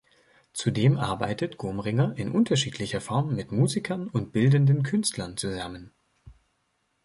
Zudem arbeitet Gomringer in unterschiedlicher Form mit Musikern und Bildenden Künstlern zusammen.